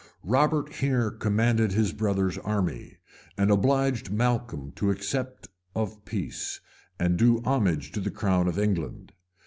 Robert here Commanded his brother's army, and obliged Malcolm to accept of peace, and do homage to the crown of England.